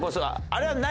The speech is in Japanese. あれは何？